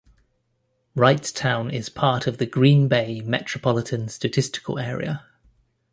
Wrightstown is part of the Green Bay Metropolitan Statistical Area.